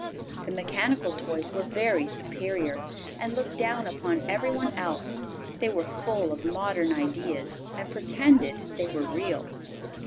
The mechanical toys were very superior, and looked down upon every one else; they were full of modern ideas, and pretended they were real.